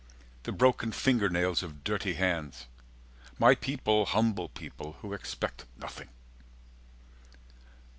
The broken fingernails of dirty hands. My people humble people who expect Nothing."